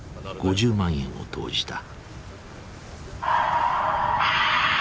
５０万円を投じた。